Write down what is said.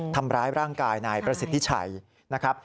ทำร้ายร่างกายนายประสิทธิชัยนะครับ